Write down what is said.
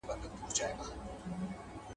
هغه خپل نوي کالي د مېلمستیا لپاره چمتو کړل.